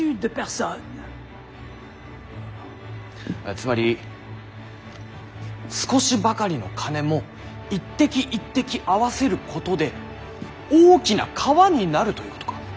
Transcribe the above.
つまり少しばかりの金も一滴一滴合わせることで大きな川になるということか。